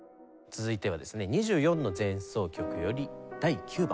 続いてはですね『２４の前奏曲』より『第９番』です。